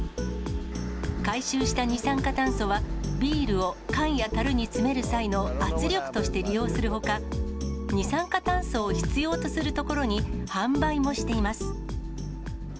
回収した二酸化炭素はビールを缶やたるに詰める際の圧力として利用するほか、二酸化炭素を必要とするところに販売もしています。